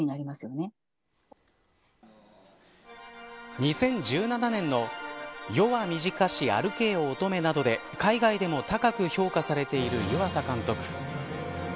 ２０１７年の夜は短し歩けよ乙女などで海外でも高く評価されている湯浅監督。